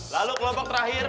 lalu kelompok terakhir